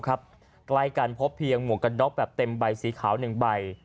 ใกล้กันพบเพียงหมวกกันน็อกแบบเต็มใบสีขาว๑ใบ